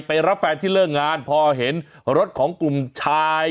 รับแฟนที่เลิกงานพอเห็นรถของกลุ่มชาย